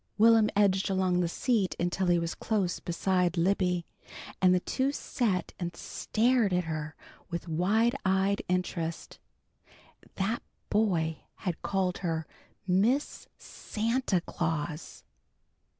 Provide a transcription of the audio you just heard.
Will'm edged along the seat until he was close beside Libby, and the two sat and stared at her with wide eyed interest. _That boy had called her Miss Santa Claus!